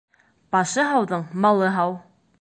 Башы һауҙың малы һау.